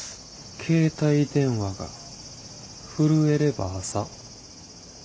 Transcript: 「携帯電話が震えれば朝」。